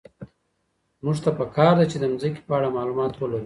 موږ ته په کار ده چي د مځکي په اړه معلومات ولرو.